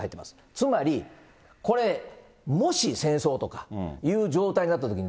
つまりこれ、もし戦争とかいう状態になったときに、